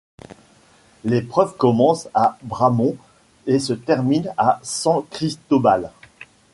L'épreuve commence à Bramón et se termine à San Cristóbal.